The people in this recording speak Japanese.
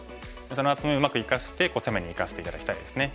その厚みをうまく生かして攻めに生かして頂きたいですね。